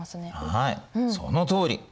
はいそのとおり。